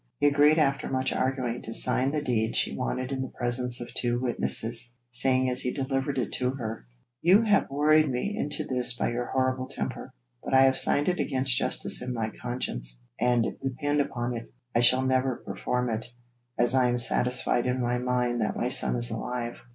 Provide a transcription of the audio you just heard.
He agreed after much arguing to sign the deed she wanted in the presence of two witnesses, saying as he delivered it to her: 'You have worried me into this by your horrible temper, but I have signed it against justice and my conscience, and depend upon it, I shall never perform it, as I am satisfied in my mind that my son is alive.'